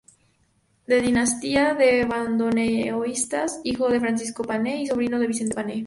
De dinastía de bandoneonistas, hijo de Francisco Pane y sobrino de Vicente Pane.